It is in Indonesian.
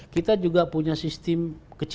kita juga punya sistem kecil